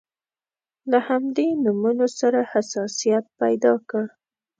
له همدې نومونو سره حساسیت پیدا کړ.